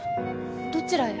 どちらへ？